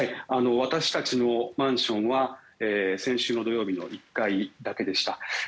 私たちのマンションは先週の土曜日の１回だけでした。